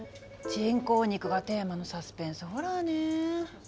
人工肉がテーマのサスペンスホラーねえ。